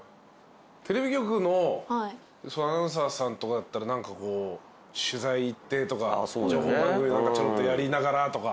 テレビ局のアナウンサーさんとかだったら何かこう取材行ってとか情報番組のちょろっとやりながらとか。